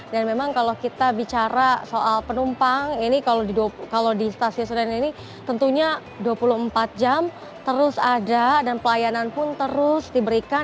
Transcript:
dan memang kalau kita bicara soal penumpang ini kalau di stasiun senen ini tentunya dua puluh empat jam terus ada dan pelayanan pun terus diberikan